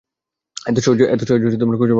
এত সহজে খুঁজে পাবেন না।